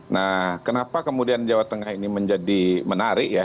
nah kenapa kemudian jawa tengah ini menjadi menarik ya